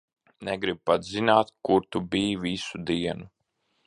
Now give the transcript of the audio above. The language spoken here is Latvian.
Negribu pat zināt, kur tu biji visu dienu.